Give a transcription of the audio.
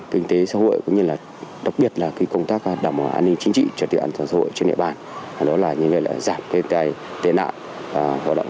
kinh tế xã hội cũng như là đặc biệt là công tác đảm bảo an ninh chính trị cho tựa an toàn xã hội trên địa bàn